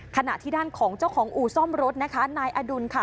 ขณะที่ด้านของเจ้าของอู่ซ่อมรถนะคะนายอดุลค่ะ